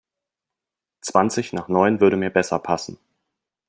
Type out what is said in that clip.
Zwanzig nach neun würde mir besser passen.